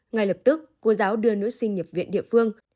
ngay lập tức cô giáo đưa nữ sinh nhập viện địa phương